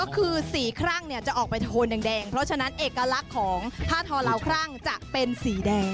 ก็คือสีครั่งจะออกไปโทนแดงเพราะฉะนั้นเอกลักษณ์ของผ้าทอลาวครั่งจะเป็นสีแดง